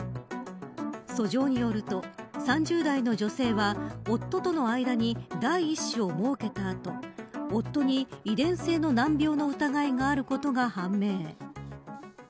訴状によると３０代の女性は夫との間に第１子をもうけたあと夫に遺伝性の難病の疑いがあることが判明。